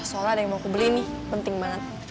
soalnya ada yang mau aku beli nih penting banget